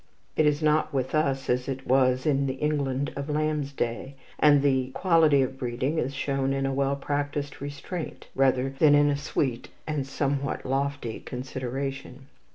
It is not with us as it was in the England of Lamb's day, and the quality of breeding is shown in a well practised restraint rather than in a sweet and somewhat lofty consideration.